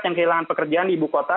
yang kehilangan pekerjaan di ibu kota